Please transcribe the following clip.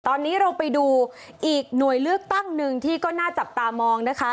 ตอนนี้เราไปดูอีกหน่วยเลือกตั้งหนึ่งที่ก็น่าจับตามองนะคะ